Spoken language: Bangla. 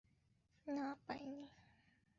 না, পাইনি।